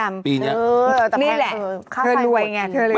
นี่แหละเธอรวยไง